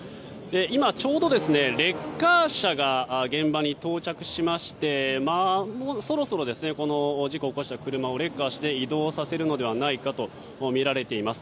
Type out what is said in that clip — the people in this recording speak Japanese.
今ちょうどレッカー車が現場に到着しましてそろそろ、事故を起こした車をレッカーして、移動させるのではないかとみられています。